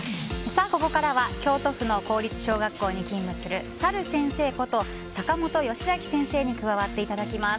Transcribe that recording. ここからは京都府の公立小学校に勤務するさる先生こと坂本良晶先生に加わっていただきます。